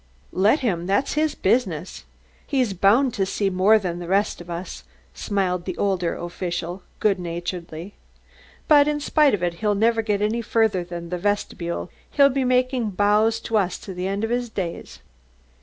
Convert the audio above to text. "Let him that's his business. He is officially bound to see more than the rest of us," smiled the older official good naturedly. "But in spite of it, he'll never get any further than the vestibule; he'll be making bows to us to the end of his days."